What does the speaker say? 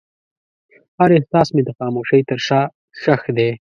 هر احساس مې د خاموشۍ تر شا ښخ دی.